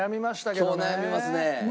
今日悩みますね。